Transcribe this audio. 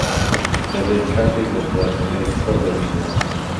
دەبێت کاتێک بۆ خواردنەوەیەک خڕببینەوە.